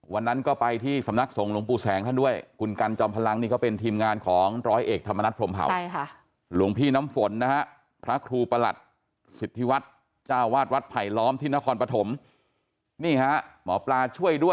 วันนั้นก็ไปที่สำนักสงฆ์หลวงปู่แสงท่านด้วยคุณกัญจอมพลังนี่ก็เป็นทีมงานของร้อยเอกธรรมนัฐไผล่น์ผัว